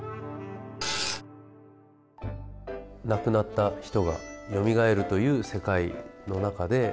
亡くなった人がよみがえるという世界の中で。